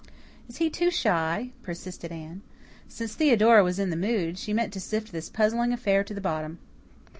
"Is he too shy?" persisted Anne. Since Theodora was in the mood, she meant to sift this puzzling affair to the bottom.